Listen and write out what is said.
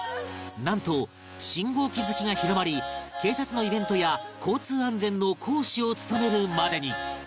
なんと信号機好きが広まり警察のイベントや交通安全の講師を務めるまでに